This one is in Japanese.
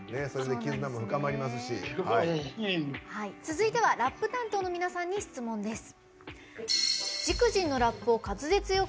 続いてはラップ担当の皆さんに質問です。